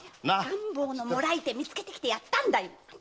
赤ん坊のもらい手見つけてきてやったんだよ！